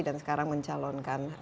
dan sekarang mencalonkan